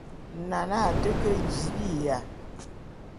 Nane a te ke jii biya.